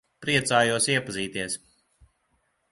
Priecājos iepazīties.